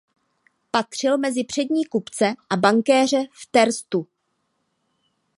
Patřil mezi přední kupce a bankéře v Terstu.